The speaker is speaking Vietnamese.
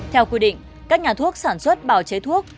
theo quy định các nhà thuốc sản xuất bào chế thuốc